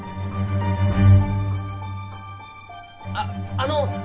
ああの。